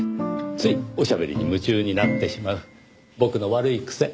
ついおしゃべりに夢中になってしまう僕の悪い癖。